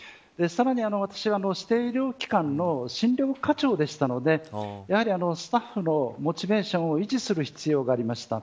さらに私が指定医療機関の診療科長でしたのでスタッフのモチベーションを維持する必要がありました。